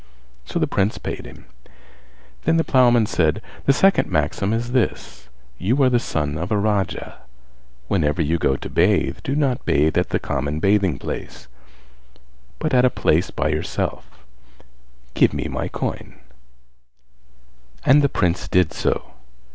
So the Prince paid him. Then the ploughman said. "The second maxim is this: You are the son of a Raja; whenever you go to bathe, do not bathe at the common bathing place, but at a place by yourself; give me my coin," and the Prince did so.